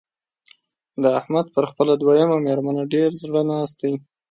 د احمد پر خپله دويمه مېرمنه ډېر زړه ناست دی.